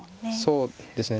そうですね。